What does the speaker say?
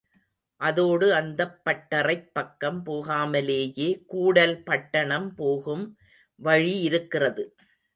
அதோடு அந்தப் பட்டறைப் பக்கம் போகாமலேயே கூடல் பட்டணம் போகும் வழியிருக்கிறது.